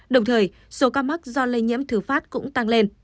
đồng thời số ca mắc do lây nhiễm thử phát